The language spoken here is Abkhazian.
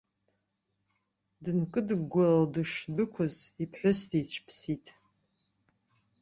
Дынкыдыгәгәало дышдәықәыз, иԥҳәыс дицәыԥсит.